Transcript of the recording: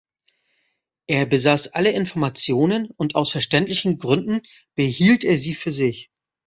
Er besaß alle Informationen, und aus verständlichen Gründen behielt er sie für sich.